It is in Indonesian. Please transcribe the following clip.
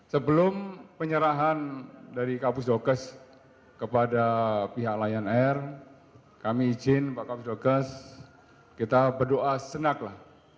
sebelum penyerahan dari kapus dokes kepada pihak lion air kami izin pak kapus dokes kita berdoa senaklah